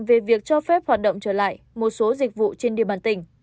về việc cho phép hoạt động trở lại một số dịch vụ trên địa bàn tỉnh